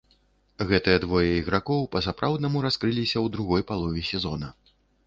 Гэтыя двое ігракоў па-сапраўднаму раскрыліся ў другой палове сезона.